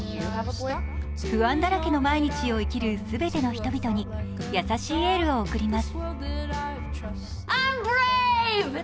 不安だらけの毎日を生きる全ての人たちに優しいエールを送ります。